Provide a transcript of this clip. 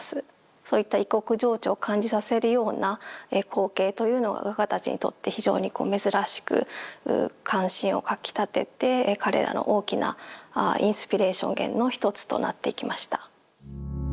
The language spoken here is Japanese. そういった異国情緒を感じさせるような光景というのは画家たちにとって非常に珍しく関心をかきたてて彼らの大きなインスピレーション源の一つとなっていきました。